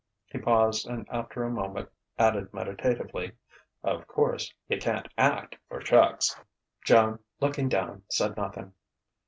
He paused and after a moment added meditatively: "Of course, you can't act for shucks." Joan, looking down, said nothing.